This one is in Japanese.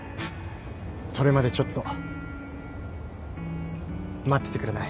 それまでちょっと待っててくれない？